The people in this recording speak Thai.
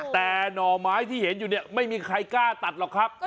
แต่หน่อไม้ที่เห็นอยู่เนี่ยไม่มีใครกล้าตัดหรอกครับ